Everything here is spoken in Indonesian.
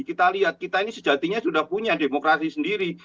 kita lihat kita ini sejatinya sudah punya demokrasi sendiri